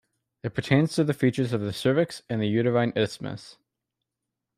It pertains to the features of the cervix and the uterine isthmus.